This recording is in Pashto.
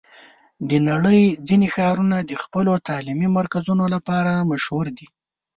د نړۍ ځینې ښارونه د خپلو تعلیمي مرکزونو لپاره مشهور دي.